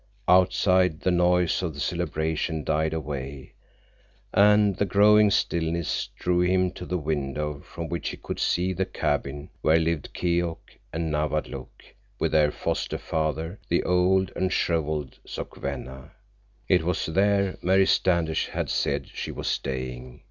Outside, the noise of the celebration died away, and the growing stillness drew him to the window from which he could see the cabin where lived Keok and Nawadlook with their foster father, the old and shriveled Sokwenna. It was there Mary Standish had said she was staying.